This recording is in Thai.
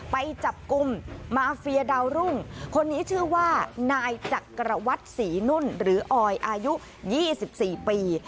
ไปจับกลุ่มมาเฟียดาวรุ่งคนนี้ชื่อว่านายจักรวรรดิศรีนุ่นหรือออยอายุ๒๔ปี